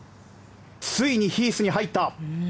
ついにヒースに入った。